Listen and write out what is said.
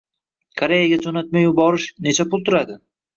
Koreyaga jo'natma yuborish necha pul turadi?